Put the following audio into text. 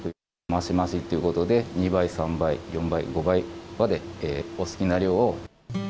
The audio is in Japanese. マシマシっていうことで、２倍、３倍、４倍、５倍まで、お好きな量を。